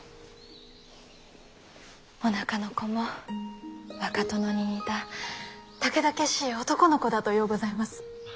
おなかの子も若殿に似たたけだけしい男の子だとようございます。